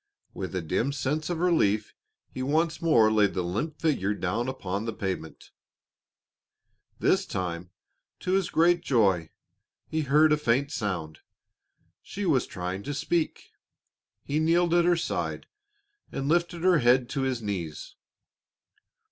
With a dim sense of relief he once more laid the limp figure down upon the pavement; this time, to his great joy, he heard a faint sound. She was trying to speak. He kneeled at her side and lifted her head to his knees.